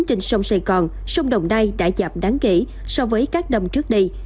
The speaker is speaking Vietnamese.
trên sông sài gòn sông đồng nai đã giảm đáng kể so với các năm trước đây